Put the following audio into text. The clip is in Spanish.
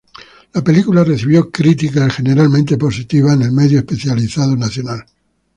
La película recibió críticas generalmente positivas en el medio especializado nacional.